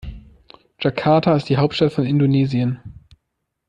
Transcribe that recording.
Jakarta ist die Hauptstadt von Indonesien.